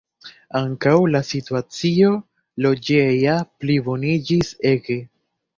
Ankaŭ la situacio loĝeja pliboniĝis ege.